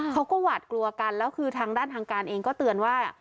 เขาก็หวาดกลัวกันแล้วคือทางด้านทางการเองก็เตือนว่า